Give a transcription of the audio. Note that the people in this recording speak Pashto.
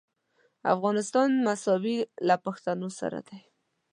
افغانستان مساوي له پښتنو سره دی.